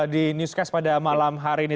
di newscast pada malam hari ini